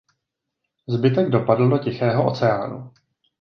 Zbytek dopadl do Tichého oceánu.